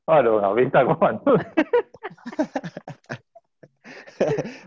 aduh nggak minta gue pantun